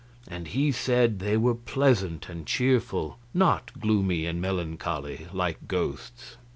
And he said they were pleasant and cheerful, not gloomy and melancholy, like ghosts.